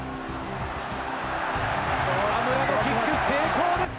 田村のキック、成功です。